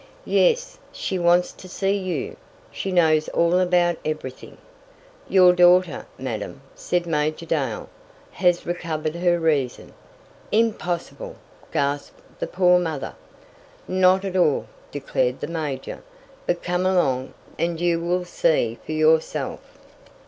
"Yes, she wants to see you she knows all about everything " "Your daughter, madam," said Major Dale, "has recovered her reason." "Impossible!" gasped the poor mother. "Not at all," declared the major. "But come along, and you will see for yourself."